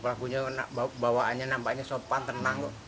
pelakunya bawaannya nampaknya sopan tenang